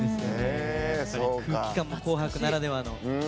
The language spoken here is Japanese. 空気感も「紅白」ならではの。